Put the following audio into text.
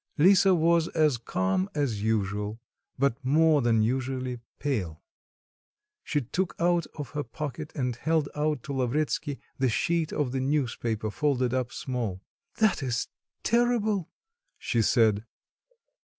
Lisa was as calm as usual but more than usually pale. She took out of her pocket and held out to Lavretsky the sheet of the newspaper folded up small. "That is terrible!" she said.